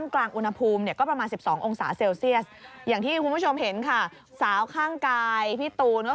คุณก้อยก็มวกแองกิเบิร์ด